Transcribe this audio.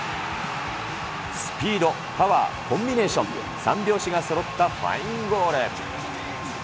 スピード、パワー、コンビネーション、三拍子がそろったファインゴール。